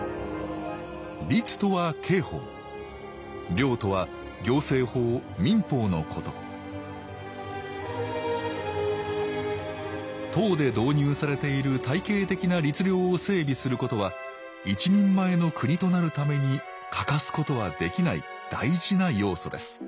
令とは行政法・民法のこと唐で導入されている体系的な律令を整備することは一人前の国となるために欠かすことはできない大事な要素です